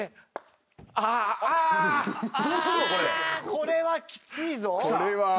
これはきついぞ次。